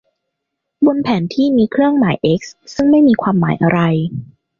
บนแผนที่มีเครื่องหมาย เอ๊กซ์ ซึ่งไม่มีความหมายอะไร